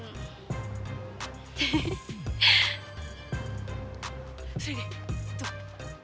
sini deh tuh